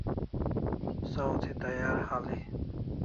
Saw thi tayar hal'i